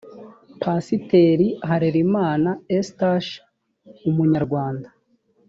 pasiteri harerimana eustache umunyarwanda